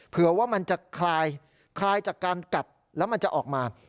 เผื่อว่ามันจะคลายจากการกัดแล้วมันจะออกมา